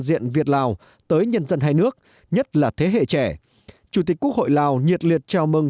diện việt lào tới nhân dân hai nước nhất là thế hệ trẻ chủ tịch quốc hội lào nhiệt liệt chào mừng